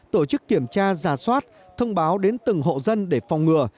tổ chức kiểm tra giả soát thông báo đến từng hộ dân để phòng ngừa